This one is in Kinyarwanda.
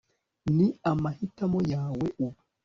ni amahitamo yawe ubu